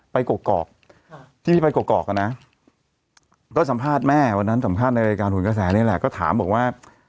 กรอกที่พี่ไปกอกอ่ะนะก็สัมภาษณ์แม่วันนั้นสัมภาษณ์ในรายการหุ่นกระแสนี่แหละก็ถามบอกว่า